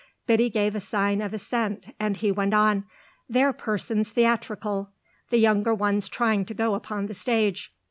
Biddy gave a sign of assent and he went on: "They're persons theatrical. The younger one's trying to go upon the stage."